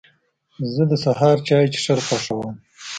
زه د سهار د چای څښل خوښوم.